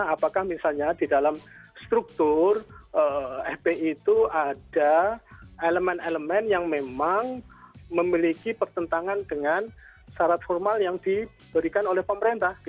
apakah misalnya di dalam struktur fpi itu ada elemen elemen yang memang memiliki pertentangan dengan syarat formal yang diberikan oleh pemerintah